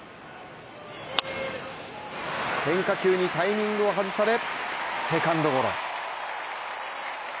変化球にタイミングを外されセカンドゴロ。